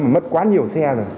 mất quá nhiều xe rồi